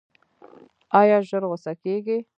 ایا ژر غوسه کیږئ؟